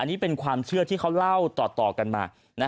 มีความเชื่อที่เขาเล่าต่อกันมา